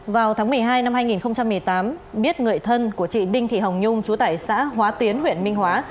vào tháng một mươi hai năm hai nghìn một mươi tám biết người thân của chị đinh thị hồng nhung trú tại xã hóa tiến huyện minh hóa